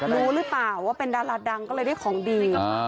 รู้หรือเปล่าว่าเป็นดาราดังก็เลยได้ของดี